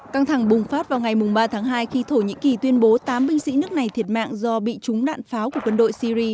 căng thẳng bùng phát vào ngày ba tháng hai khi thổ nhĩ kỳ tuyên bố tám binh sĩ nước này thiệt mạng do bị trúng đạn pháo của quân đội syri